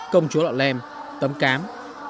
công chúa lọ lem tấm cám